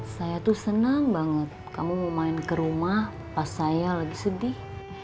saya tuh senang banget kamu mau main ke rumah pas saya lagi sedih